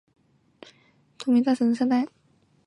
神农大帝圣诞